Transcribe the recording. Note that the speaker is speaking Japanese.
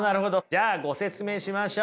じゃあご説明しましょう。